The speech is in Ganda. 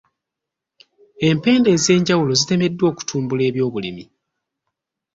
Empenda ez'enjawulo zitemeddwa okutumbula ebyobulimi.